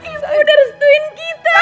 ibu harus duin kita